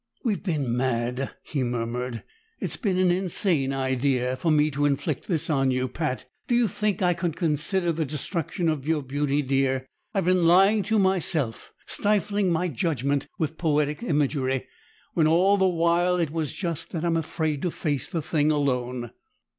"We've been mad!" he murmured. "It's been an insane idea for me to inflict this on you, Pat. Do you think I could consider the destruction of your beauty, Dear? I've been lying to myself, stifling my judgment with poetic imagery, when all the while it was just that I'm afraid to face the thing alone!"